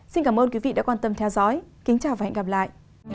xin cảm ơn quý vị đã quan tâm theo dõi kính chào và hẹn gặp lại